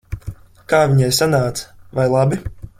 Kā viņai sanāca? Vai labi?